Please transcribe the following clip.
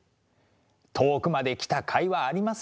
遠くまで来たかいはありますよ！